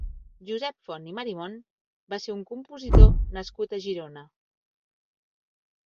Josep Font i Marimont va ser un compositor nascut a Girona.